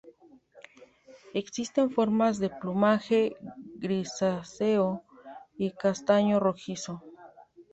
Existen formas de plumaje grisáceo y castaño rojizo.